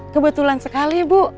kebetulan sekali bu